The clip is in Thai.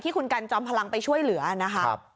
คุณกันจอมพลังไปช่วยเหลือนะคะ